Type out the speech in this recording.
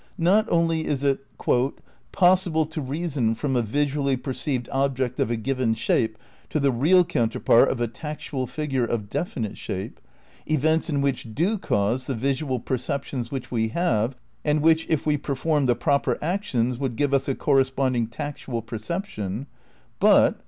Not only ia it "possible to reason from a visually perceived object of a given shape to the real counterpart of a tactual figure of definite shape, events ia which do cause the visual perceptions which we have, and which, if we performed the proper actions, would give us a cor responding tactual perception, but